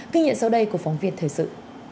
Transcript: kinh nghiệm sau đây của phóng viên thời sự